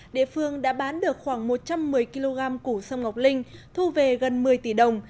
địa phương đã bán được khoảng một trăm một mươi kg củ sâm ngọc linh thu về gần một mươi tỷ đồng